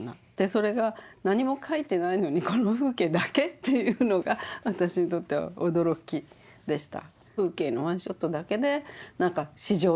それが何も描いていないのにこの風景だけっていうのが私にとっては驚きでした。